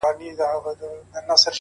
ته پیسې کټه خو دا فکرونه مکړه.